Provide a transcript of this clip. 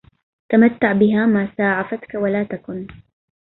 تمتع بها ما ساعفتك ولا تكن